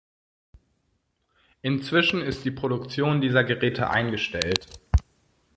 Inzwischen ist die Produktion dieser Geräte eingestellt.